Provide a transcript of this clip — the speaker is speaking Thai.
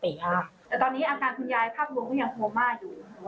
แต่ตอนนี้อาการคุณยายภาพรวมก็ยังโคม่าอยู่